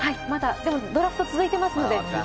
でも、ドラフトは続いていますので。